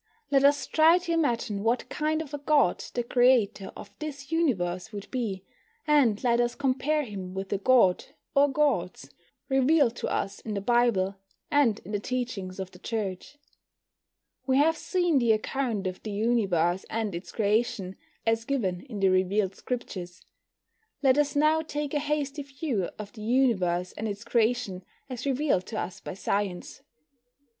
Let us try to imagine what kind of a God the creator of this Universe would be, and let us compare him with the God, or Gods, revealed to us in the Bible, and in the teachings of the Church. We have seen the account of the Universe and its creation, as given in the revealed Scriptures. Let us now take a hasty view of the Universe and its creation as revealed to us by science.